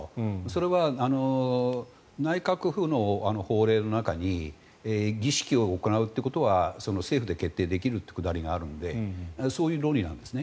それは内閣府の法令の中に儀式を行うということは政府で決定できるくだりがあるのでそういう論理なんです。